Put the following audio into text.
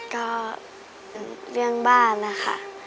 ก็เรื่องบ้านนะคะ